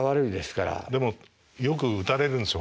でもよく打たれるんですよ